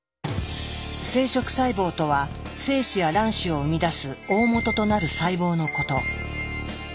生殖細胞とは精子や卵子を生み出す大本となる細胞のこと。